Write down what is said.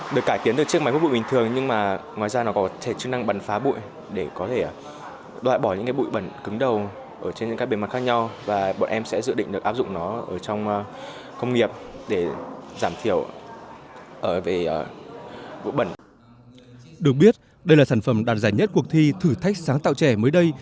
được biết đây là sản phẩm đạt giải nhất cuộc thi thử thách sáng tạo trẻ mới đây